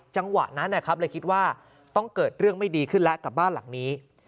จังหวะนั้นนะครับเลยคิดว่าต้องเกิดเรื่องไม่ดีขึ้นแล้วกับบ้านหลังนี้